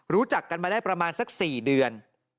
รู้จักกันมาได้ประมาณสัก๔เดือน